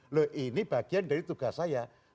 loh ini bagian dari tugas saya